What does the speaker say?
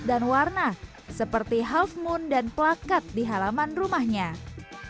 dan warna seperti half moon dan plakat di halaman rumahnya ini awalnya sih karena